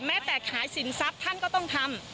แม้แต่ขายสินทรัพย์ท่านก็ต้องทำ